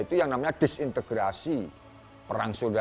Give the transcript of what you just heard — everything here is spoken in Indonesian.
itu yang namanya disintegrasi perang saudara